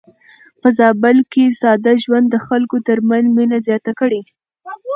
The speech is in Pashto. په زابل کې ساده ژوند د خلکو ترمنځ مينه زياته کړې.